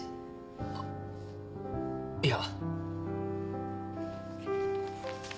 あっいや。